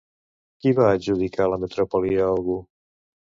Qui va adjudicar la metròpoli a algú?